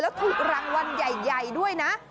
แล้วถูกรางวัลใหญ่ด้วยนะ